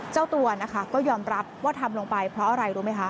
เจ้าตัวนะคะก็ยอมรับว่าทำลงไปเพราะอะไรรู้ไหมคะ